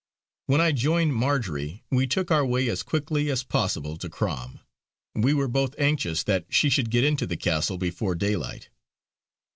When I joined Marjory, we took our way as quickly as possible to Crom; we were both anxious that she should get into the castle before daylight.